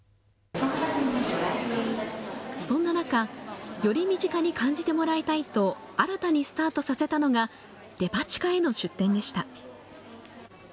そんな中、より身近に感じてもらいたいと、新たにスタートさせたのが、デパ地下への出店でした。